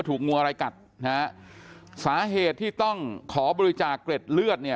ถูกงูอะไรกัดนะฮะสาเหตุที่ต้องขอบริจาคเกร็ดเลือดเนี่ย